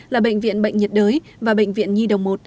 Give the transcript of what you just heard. là bệnh viện bệnh nhiệt đới và bệnh viện nhi đồng một